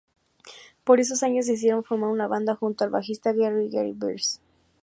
Por esos años decidieron formar una banda junto al bajista Garry Gary Beers.